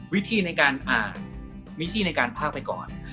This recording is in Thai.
วิธีในการอ่านวิธีในการภาคไปก่อน